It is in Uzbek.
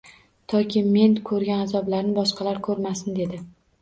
Toki men ko`rgan azoblarni boshqalar ko`rmasin, dedi